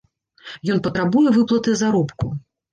Ён патрабуе выплаты заробку.